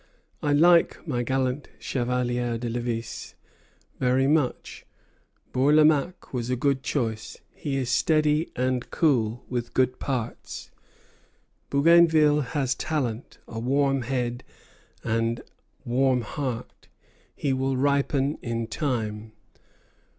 I like my gallant Chevalier de Lévis very much. Bourlamaque was a good choice; he is steady and cool, with good parts. Bougainville has talent, a warm head, and warm heart; he will ripen in time.